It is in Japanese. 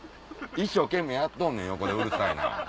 一生懸命やっとんねん横でうるさいな。